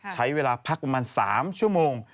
ใช้เวลาพักประมาณ๓ชั่วโมง